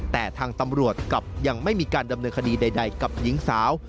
แต่ทางตำรวจกลับยังไม่มีการดำเนินคดีใดกับหญิงสาว